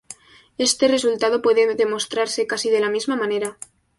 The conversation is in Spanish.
Este resultado puede demostrarse casi de la misma manera.